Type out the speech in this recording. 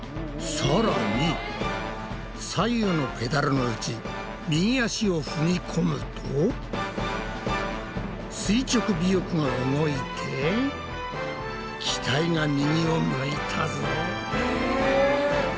さらに左右のペダルのうち右足を踏み込むと垂直尾翼が動いて機体が右を向いたぞ。